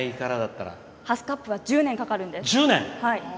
ハスカップは１０年かかるんです。